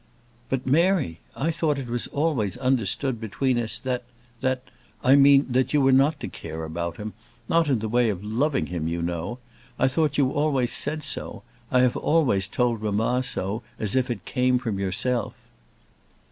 "But, Mary, I thought it was always understood between us that that I mean that you were not to care about him; not in the way of loving him, you know I thought you always said so I have always told mamma so as if it came from yourself."